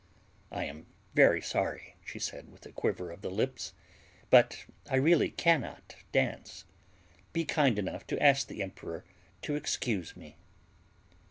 "I am very sorry," she said, with a quiver of the lips, "but I really cannot dance. Be kind enough to ask the emperor to excuse me."